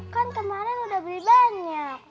kan kemarin udah beli banyak